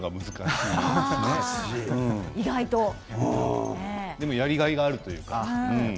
でも、やりがいがあるというか。